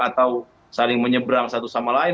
atau saling menyeberang satu sama lain